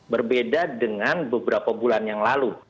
berbeda dengan beberapa bulan yang lalu